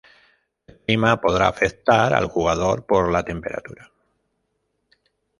El clima podrá afectar al jugador por la temperatura.